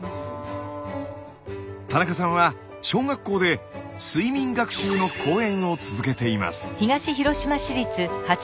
田中さんは小学校で睡眠学習の講演を続けています。